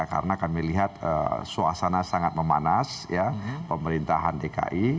karena kami lihat suasana sangat memanas pemerintahan dki